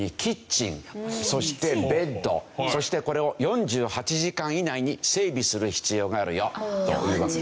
はいそれはそしてこれを４８時間以内に整備する必要があるよというわけです。